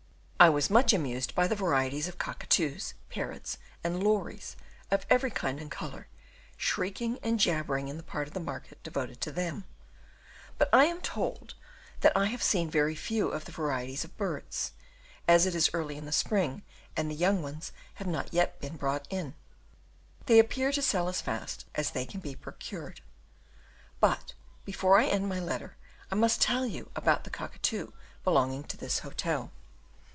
I was much amused by the varieties of cockatoos, parrots, and lories of every kind and colour, shrieking and jabbering in the part of the market devoted to them; but I am told that I have seen very few of the varieties of birds, as it is early in the spring, and the young ones have not yet been brought in: they appear to sell as fast as they can be procured. But before I end my letter I must tell you about the cockatoo belonging to this hotel.